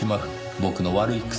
僕の悪い癖。